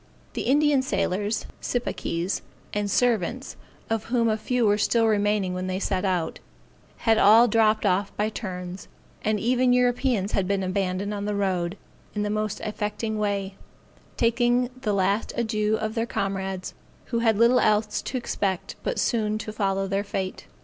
The Indian sailors, sipakees, and servants, of whom a few were still remaining when they set out, had all dropped off by turns; and even Europeans had been abandoned on the road, in the most affecting way, taking a last adieu of their comrades, who had little else to expect but soon to follow their fate.